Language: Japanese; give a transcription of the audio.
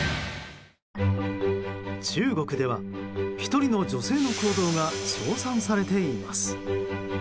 中国では、１人の女性の行動が称賛されています。